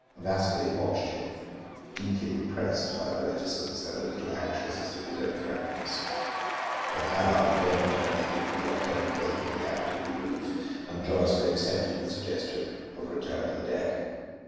Vasili watched him, deeply impressed by the reticence and a little anxious as to his own frankness. When Allard again turned to him, the lieutenant welcomed the amity with relief and joyously accepted the suggestion of return to the deck.